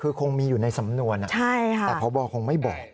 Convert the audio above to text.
คือคงมีอยู่ในสำนวนแต่พบคงไม่บอก